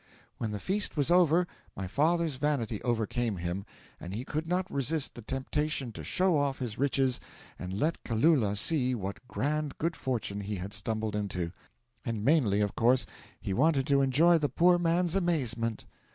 'When the feast was over my father's vanity overcame him, and he could not resist the temptation to show off his riches and let Kalula see what grand good fortune he had stumbled into and mainly, of course, he wanted to enjoy the poor man's amazement.